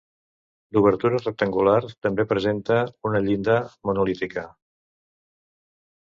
D'obertura rectangular, també presenta una llinda monolítica.